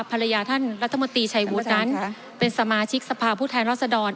ภรรยาท่านรัฐมนตรีชัยวุฒินั้นเป็นสมาชิกสภาพผู้แทนรัศดร